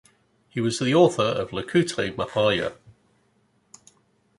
He was the author of "Likutei Maharya".